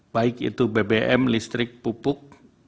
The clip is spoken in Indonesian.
baik itu bbm listrik pupuk